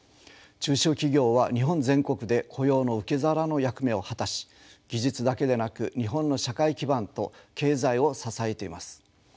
中小企業は日本全国で雇用の受け皿の役目を果たし技術だけでなく日本の社会基盤と経済を支えています。